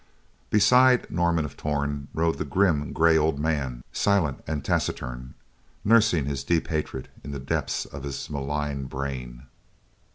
Beside Norman of Torn rode the grim, gray, old man, silent and taciturn; nursing his deep hatred in the depths of his malign brain.